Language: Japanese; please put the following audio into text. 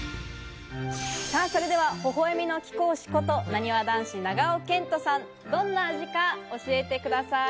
それでは、ほほ笑みの貴公子こと、なにわ男子・長尾謙杜さん、どんな味か教えてください。